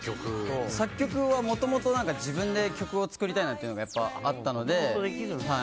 作曲はもともと自分で曲を作りたいなっていうのがやっぱりあったので。